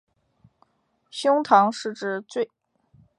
胸腔是指脊椎动物胸廓与膈围成的体腔。